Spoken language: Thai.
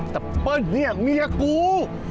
แต่เป้าเรียกเมียกู